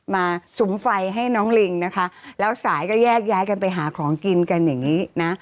สุมไฟให้น้องลิงนะคะแล้วสายก็แยกย้ายกันไปหาของกินกันอย่างนี้นะ